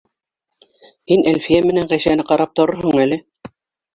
Һин Әлфиә менән Ғәйшәне ҡарап торорһоң әле.